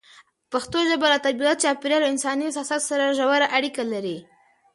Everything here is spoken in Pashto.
پښتو ژبه له طبیعت، چاپېریال او انساني احساساتو سره ژوره اړیکه لري.